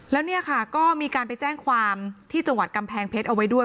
แล้วเนี่ยค่ะก็มีการไปแจ้งความที่จังหวัดกำแพงเพชรเอาไว้ด้วย